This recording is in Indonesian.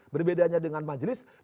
berbedanya dengan majelis